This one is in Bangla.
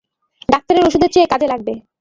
ডাক্তারের ওষুধের চেয়ে কাজে লাগবে।